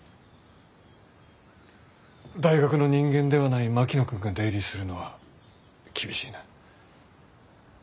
大学の人間ではない槙野君が出入りするのは厳しいな。